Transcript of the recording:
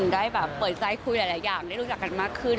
ได้แบบเปิดใจคุยหลายอย่างได้รู้จักกันมากขึ้น